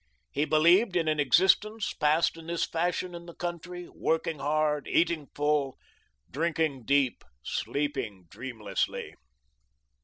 He believed in an existence passed in this fashion in the country, working hard, eating full, drinking deep, sleeping dreamlessly.